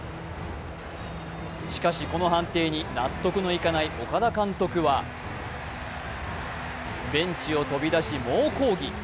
しかし、この判定に納得のいかない岡田監督はベンチを飛び出し猛抗議。